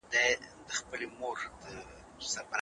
که ادئب نه وي نو نوی ادب به نه وي.